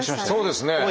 そうですね。